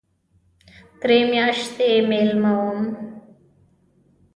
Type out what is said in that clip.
درې میاشتې مېلمه وم.